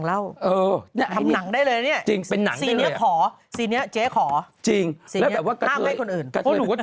เนี่ยเนี่ยนะ